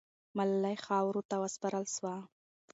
ملالۍ خاورو ته وسپارل سوه.